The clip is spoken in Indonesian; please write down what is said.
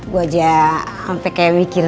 gue aja sampai kayak mikir